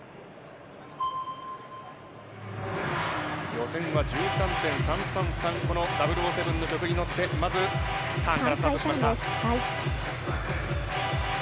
予選は１３．３３３、この００７の曲に乗って、まずターンからスタートしました。